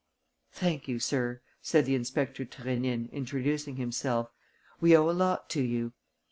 "Thank you, sir," said the inspector to Rénine introducing himself. "We owe a lot to you."